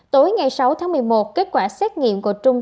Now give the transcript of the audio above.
tối ngày sáu tháng một mươi một kết quả xét nghiệm của trung